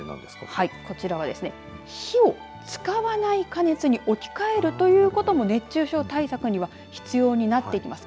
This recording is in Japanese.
こちらは火を使わない加熱に置き換えるということも熱中症対策には必要になってきます。